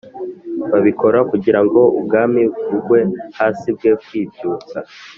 Babikora kugira ngo ubwami bugwe hasi bwe kwibyutsa